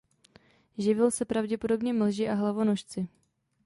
Živil se pravděpodobně mlži a hlavonožci.